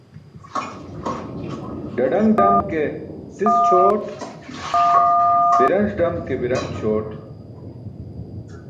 Ḍaḍaṅ ḍam ke sis ćʰoot, biranc̣ dam ke biranc̣ ćʰoot